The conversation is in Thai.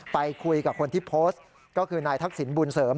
ไปคุยกับคนที่โพสต์ก็คือนายทักษิณบุญเสริม